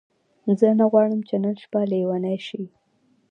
زه نه غواړم چې نن شپه لیونۍ شې.